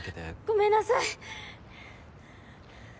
ごめんなさい！